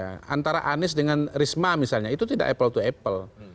karena antara anies dengan risma misalnya itu tidak apple to apple